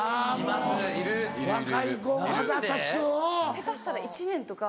下手したら１年とか。